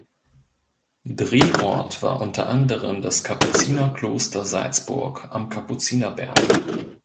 Drehort war unter anderem das Kapuzinerkloster Salzburg am Kapuzinerberg.